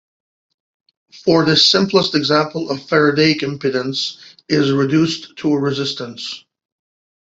For this simplest example the Faradaic impedance is reduced to a resistance.